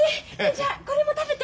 じゃあこれも食べて。